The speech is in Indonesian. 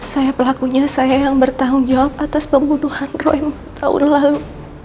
saya pelakunya saya yang bertanggung jawab atas pembunuhan roy tahun lalu